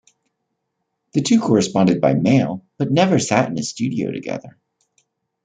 The two corresponded by mail but never sat in a studio together.